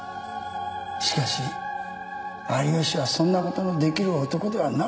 しかし有吉はそんなことのできる男ではなかった。